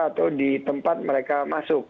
atau ditempat mereka masuk dari luar negeri